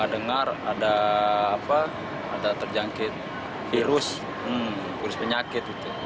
ada terjangkit virus penyakit